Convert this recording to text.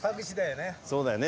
そうだよね